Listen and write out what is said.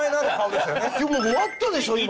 終わったでしょ今。